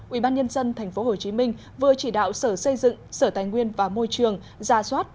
ubnd tp hcm vừa chỉ đạo sở xây dựng sở tài nguyên và môi trường ra soát